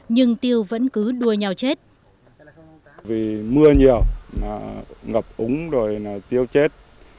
nhưng tiêu vẫn cứ đua nhau chết